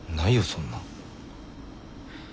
そんなん。